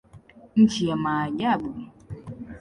Nchi ya maajabu.